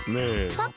パパ？